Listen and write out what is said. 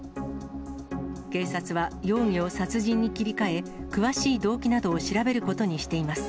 警察は容疑を殺人に切り替え、詳しい動機などを調べることにしています。